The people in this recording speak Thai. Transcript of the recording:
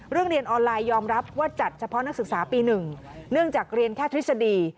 เรียนออนไลน์ยอมรับว่าจัดเฉพาะนักศึกษาปี๑เนื่องจากเรียนแค่ทฤษฎี